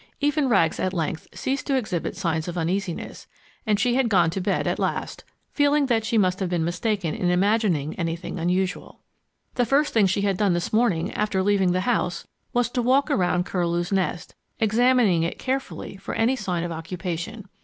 Even Rags at length ceased to exhibit signs of uneasiness, and she had gone to bed at last, feeling that she must have been mistaken in imagining anything unusual. The first thing she had done this morning after leaving the house was to walk around Curlew's Nest, examining it carefully for any sign of occupation.